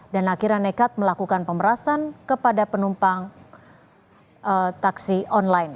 dan akhirnya nekat melakukan pemerasan kepada penumpang taksi online